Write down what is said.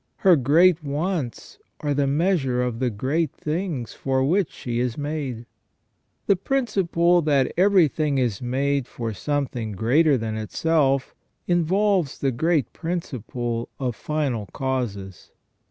Her great wants are the measure of the great things for which she is made. The principle that everything is made for something greater than itself involves the great principle of final causes.